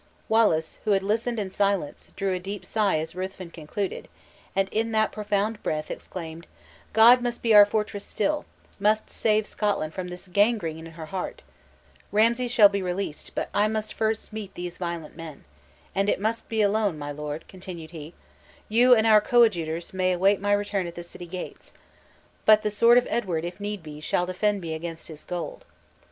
Wallace, who had listened in silence, drew a deep sigh as Ruthven concluded; and, in that profound breath, exclaimed "God must be our fortress still; must save Scotland from this gangrene in her heart! Ramsay shall be released; but I must first meet these violent men. And it must be alone, my lord," continued he; "you, and our coadjutors, may wait my return at the city gates; but the sword of Edward, if need be, shall defend me against his gold."